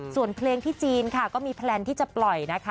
ส่วนเพลงที่จีนค่ะก็มีแพลนที่จะปล่อยนะคะ